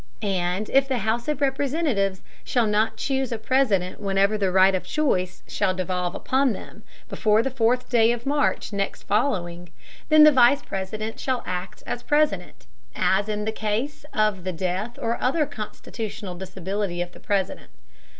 And if the House of Representatives shall not choose a President whenever the right of choice shall devolve upon them, before the fourth day of March next following, then the Vice President shall act as President, as in the case of the death or other constitutional disability of the President.